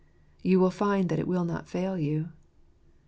You will find that it will not fail you.